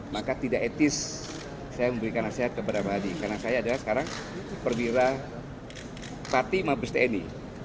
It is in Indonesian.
maka tidak etis saya memberikan nasihat kepada pak hadi karena saya adalah sekarang perwira pati mabes tni